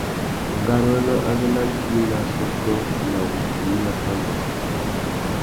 Ngáwôrénô azê na mpí nà assôtô na wudjï nà pandú.